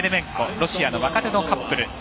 ロシアの若手のカップル。